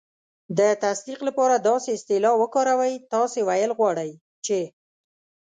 د تصدیق لپاره داسې اصطلاح وکاروئ: "تاسې ویل غواړئ چې..."